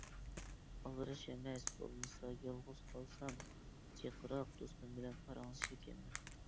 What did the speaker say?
ئالدىراش ئەمەس بولمىسا. يالغۇز قالسام جىقراق دوستۇم بىلەن پاراڭلىشىدىكەنمەن.